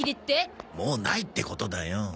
もうないってことだよ。